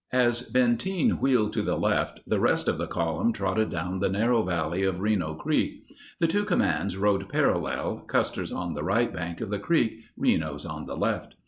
As Benteen wheeled to the left, the rest of the column trotted down the narrow valley of Reno Creek. The two commands rode parallel, Custer's on the right bank of the creek, Reno's on the left.